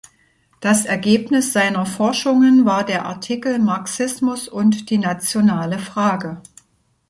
Das Ergebnis seiner Forschungen war der Artikel „Marxismus und die nationale Frage“.